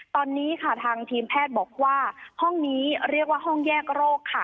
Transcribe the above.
ตอนนี้ค่ะทางทีมแพทย์บอกว่าห้องนี้เรียกว่าห้องแยกโรคค่ะ